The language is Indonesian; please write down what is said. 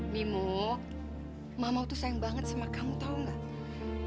mimu mama itu sayang banget sama kamu tahu enggak